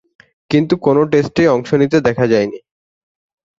কিন্তু কোন টেস্টেই অংশ নিতে দেখা যায়নি।